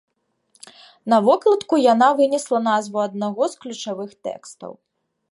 На вокладку яна вынесла назву аднаго з ключавых тэкстаў.